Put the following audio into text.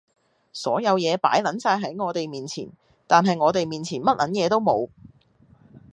所有野擺撚晒喺我哋面前，但係我哋面前乜撚嘢都冇！